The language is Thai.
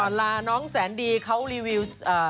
ลาน้องแสนดีเขารีวิว